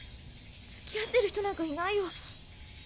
付き合ってる人なんかいないよ。